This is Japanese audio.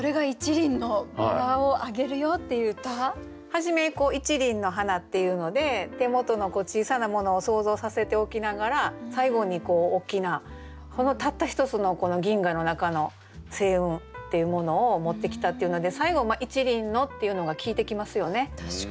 初めに「一輪の花」っていうので手元の小さなものを想像させておきながら最後に大きなたった一つのこの銀河の中の星雲っていうものを持ってきたっていうので最後「一輪の」っていうのが効いてきますよね。